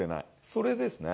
それですね。